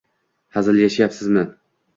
Hazillashayapsizmi?